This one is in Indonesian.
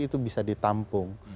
itu bisa ditampung